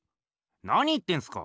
なに言ってんすか？